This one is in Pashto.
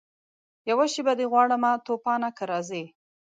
یوه شېبه دي غواړمه توپانه که راځې